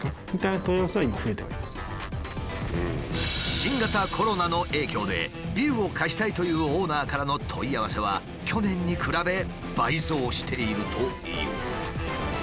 新型コロナの影響でビルを貸したいというオーナーからの問い合わせは去年に比べ倍増しているという。